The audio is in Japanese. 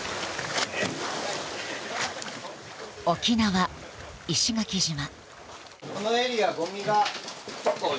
沖縄・石垣島。